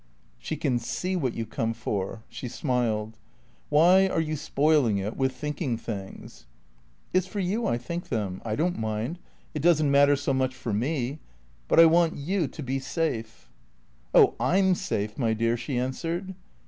"She can see what you come for." She smiled. "Why are you spoiling it with thinking things?" "It's for you I think them. I don't mind. It doesn't matter so much for me. But I want you to be safe." "Oh, I'm safe, my dear," she answered.